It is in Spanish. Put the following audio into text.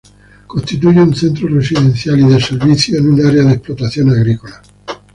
Constituye un centro residencial y de servicios en un área de explotación agrícola.